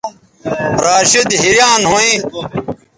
راشدحیریان ھویں